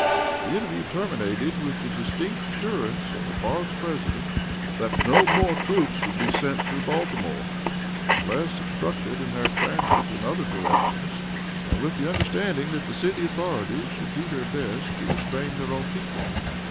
The interview terminated with the distinct assurance, on the part of the President, that no more troops would be sent through Baltimore, unless obstructed in their transit in other directions, and with the understanding that the city authorities should do their best to restrain their own people.